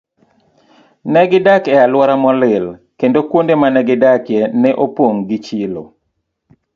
Ne gidak e alwora molil, kendo kuonde ma ne gidakie ne opong' gi chilo.